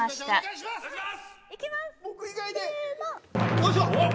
よいしょ！